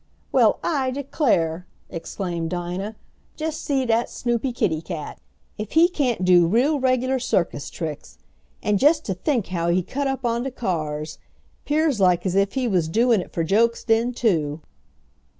"Well, I declare!" exclaimed Dinah. "Jest see dat Snoopy kitty cat! If he can't do real reg'lar circus tricks! And jest to think how he cut up on de cars! 'Pears like as if he was doin' it fer jokes den too!"